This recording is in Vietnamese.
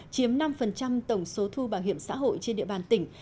chiếm năm tổng số thu bảo hiểm xã hội trên địa bàn tỉnh